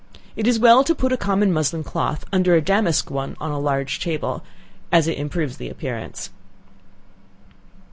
It is well to put a common muslin cloth under a damask one on the table, as it improves the appearance.